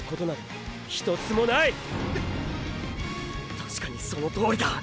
確かにそのとおりだ！